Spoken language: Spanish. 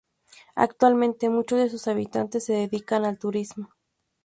Actualmente muchos de sus habitantes se dedican al turismo.